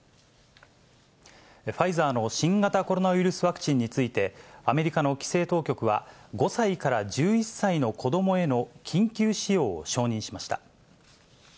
ファイザーの新型コロナウイルスワクチンについて、アメリカの規制当局は、５歳から１１歳の子どもへの緊急使用を承認しました。